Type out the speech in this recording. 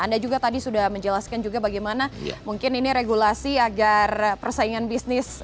anda juga tadi sudah menjelaskan juga bagaimana mungkin ini regulasi agar persaingan bisnis